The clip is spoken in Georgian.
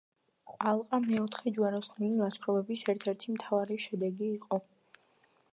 ალყა მეოთხე ჯვაროსნული ლაშქრობის ერთ-ერთი მთავარი შედეგი იყო.